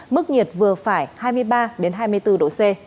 mức nhiệt vừa phải hai mươi ba hai mươi bốn độ c